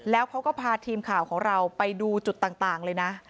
แล้วเขาก็พาทีมข่าวของเราไปดูจุดต่างเลยนะ